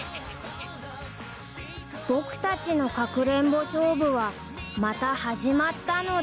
［僕たちのかくれんぼ勝負はまた始まったのだ］